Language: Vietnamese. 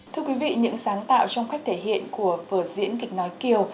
thưa quý vị những sáng tạo trong cách thể hiện của vở diễn kịch nói kiều